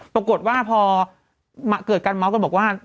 ปรากฏว่าพอเกิดการเมาส์กันบอกว่า